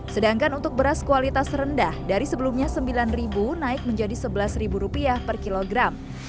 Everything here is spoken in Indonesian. sedangkan untuk beras kualitas rendah dari sebelumnya rp sembilan naik menjadi rp sebelas per kilogram